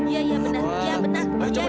ya ya benar